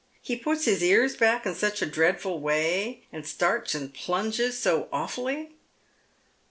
" He puts his ears back in such a dreadful way, and starts and plunges so awfully."